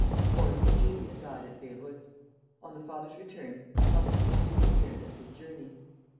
Poor little Julia died at Beyrout. On the father's return he published his "Souvenirs of his Journey."